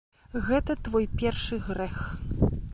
Гэта твой першы грэх.